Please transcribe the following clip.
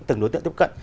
từng đối tượng tiếp cận